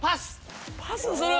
パスする？